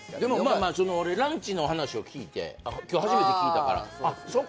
俺ランチの話を聞いて今日初めて聞いたからあっ